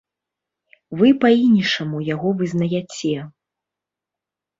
Вы па-іншаму яго вызнаяце.